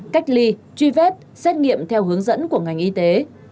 cách ly truy vết xét nghiệm theo hướng dẫn của ngành y tế